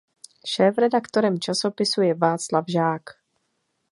Šéfredaktorem časopisu je Václav Žák.